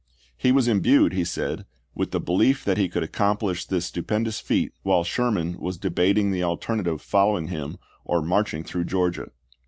He was imbued, he said, with the belief that he could accomplish this stupendous feat while Sherman was debating the alternative of following him, or marching through Georgia.